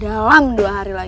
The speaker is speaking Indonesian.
dalam dua hari lagi